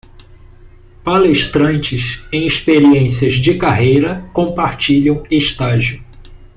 Palestrantes em experiências de carreira compartilham estágio